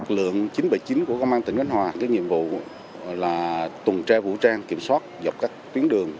lượng chín trăm bảy mươi chín của công an tỉnh khánh hòa cái nhiệm vụ là tùng tre vũ trang kiểm soát dọc các tuyến đường